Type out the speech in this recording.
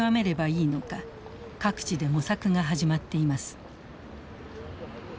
各地で模索が始まっています。